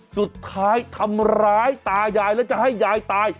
สุดท้ายทำร้ายตายายแล้วจะให้ยายตาย